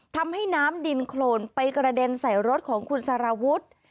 ทำให้น้ำดินโครนไปกระเด็นใส่รถของคุณสารวุฒิ